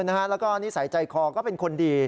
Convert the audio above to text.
แล้วก็นิสัยใจคอก็เป็นคนดี